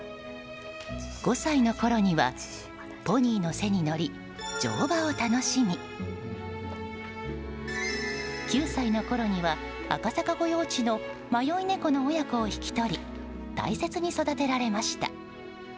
５歳のころにはポニーの背に乗り乗馬を楽しみ９歳のころには赤坂御用地の迷い猫の親子を引き取り大切に育てられました。